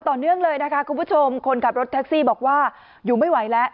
ต่อเนื่องเลยนะคะคุณผู้ชมคนขับรถแท็กซี่บอกว่าอยู่ไม่ไหวแล้ว